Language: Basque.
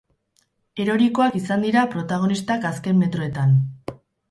Erorikoak izan dira protagonistak azken metroetan.